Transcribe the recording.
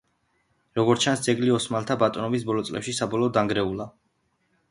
როგორც ჩანს, ძეგლი ოსმალთა ბატონობის ბოლო წლებში საბოლოოდ დანგრეულა.